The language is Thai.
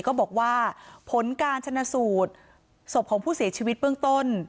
ก็บอกว่าผลการชนะสูตรศพของผู้เสียชีวิตเบื้องต้น